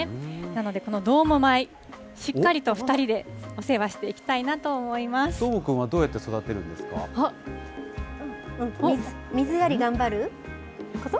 なので、このどーも米、しっかりと２人でお世話していきたいなとどーもくんはどうやって育て水やり頑張ること？